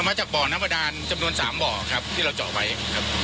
มาจากบ่อน้ำประดานจำนวน๓บ่อครับที่เราเจาะไว้ครับ